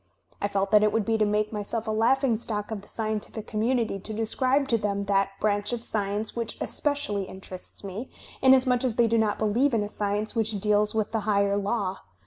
... I felt that it would be to make myself a laughing stock of the scientific conununity to describe to them that branch of science which especially interests me, inasmuch as they do not believe in a science which deals with the higher law.